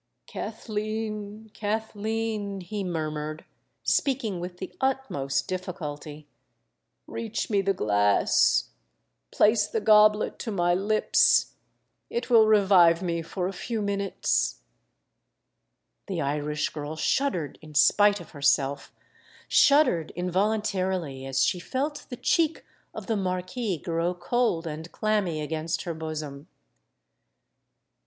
"Kathleen—Kathleen," he murmured, speaking with the utmost difficulty, "reach me the glass—place the goblet to my lips—it will revive me for a few minutes——" The Irish girl shuddered in spite of herself—shuddered involuntarily as she felt the cheek of the Marquis grow cold and clammy against her bosom.